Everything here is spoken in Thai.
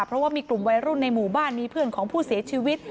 เพราะว่ามีกลุ่มวัยรุ่นในหมู่บ้านมีเพื่อนของผู้เสียชีวิต